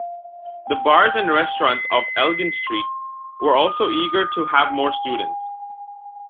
The bars and restaurants of Elgin Street were also eager to have more students.